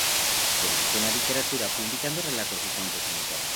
Comenzó en la literatura publicando relatos y cuentos en internet.